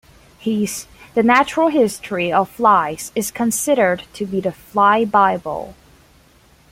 His "The Natural History of Flies" is considered to be the "fly Bible".